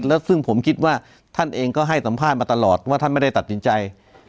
แล้วซึ่งผมคิดว่าท่านเองก็ให้สัมภาษณ์มาตลอดว่าท่านไม่ได้ตัดสินใจ